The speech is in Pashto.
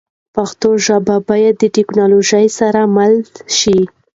پښتو ژبه باید د ټکنالوژۍ سره مله شي.